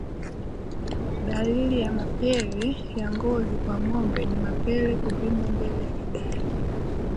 Dalili ya mapele ya ngozi kwa ngombe ni mapele kuvimba mbele ya kidari